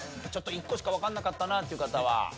ちょっと１個しかわかんなかったなっていう方は？